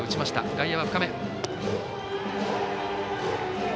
外野は深め。